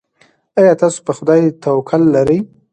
ایا تاسو په خدای توکل لرئ؟